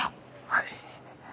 はい。